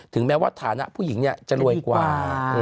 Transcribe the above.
ถึงแม้ว่าฐานะผู้หญิงเนี่ยจะรวยกว่า